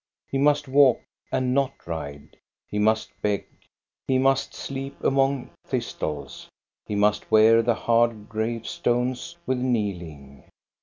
He must walk and not ride. He must beg. He must sleep among thistles. He must wear the hard grave stones with kneeling.